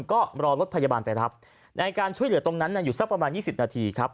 ก็รอรถพยาบาลไปรับในการช่วยเหลือตรงนั้นอยู่สักประมาณ๒๐นาทีครับ